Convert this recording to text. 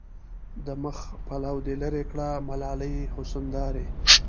د مخ پلو دې لېري کړه ملالې حسن دارې